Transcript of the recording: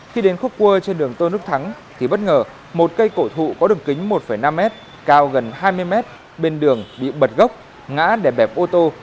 khi đến khúc cua trên đường tôn đức thắng thì bất ngờ một cây cổ thụ có đường kính một năm m cao gần hai mươi mét bên đường bị bật gốc ngã đè bẹp ô tô